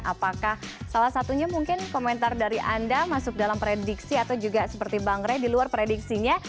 apakah salah satunya mungkin komentar dari anda masuk dalam prediksi atau juga seperti bang ray di luar prediksinya